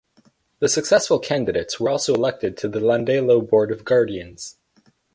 The successful candidates were also elected to the Llandeilo Board of Guardians.